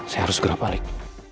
saya harus segera balik